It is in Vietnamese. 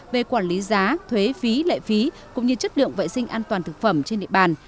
về quản lý giá thuế phí lệ phí cũng như chất lượng vệ sinh an toàn thực phẩm trên địa bàn